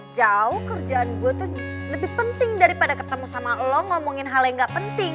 jauh kerjaan gue tuh lebih penting daripada ketemu sama lo ngomongin hal yang gak penting